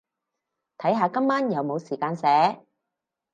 睇下今晚有冇時間寫